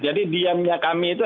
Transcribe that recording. jadi diamnya kami itu